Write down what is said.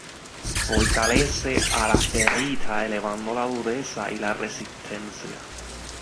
Fortalece a la ferrita, elevando la dureza y la resistencia.